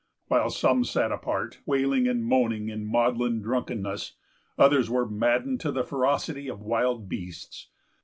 While some sat apart, wailing and moaning in maudlin drunkenness, others were maddened to the ferocity of wild beasts.